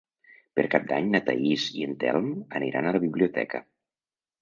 Per Cap d'Any na Thaís i en Telm aniran a la biblioteca.